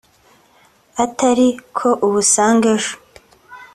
atari ko uwusanga ejo